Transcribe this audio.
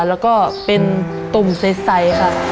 แล้วก็เป็นตุ่มใสค่ะ